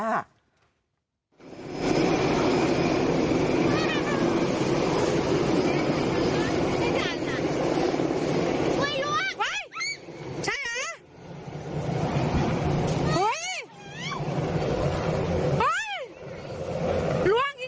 เฮ้ยล่วง